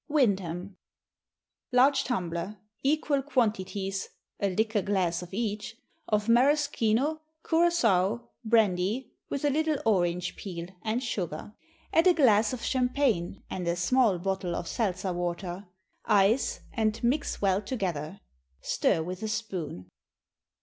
Wyndham. Large tumbler. Equal quantities (a liqueur glass of each) of maraschino, curaçoa, brandy, with a little orange peel, and sugar. Add a glass of champagne, and a small bottle of seltzer water. Ice, and mix well together. Stir with a spoon.